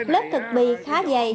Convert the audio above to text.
lớp thịt bì khá dày